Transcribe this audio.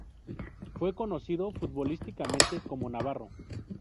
Fue conocido futbolísticamente como Navarro.